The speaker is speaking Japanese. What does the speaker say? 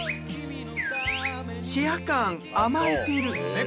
シェアカーン甘えてる。